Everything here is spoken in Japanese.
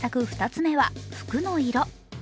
２つ目は服の色。